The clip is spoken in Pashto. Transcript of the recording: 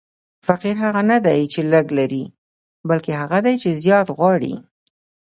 فقیر هغه نه دئ، چي لږ لري؛ بلکي هغه دئ، چي زیات غواړي.